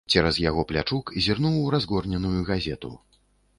Цераз яго плячук зірнуў у разгорненую газету.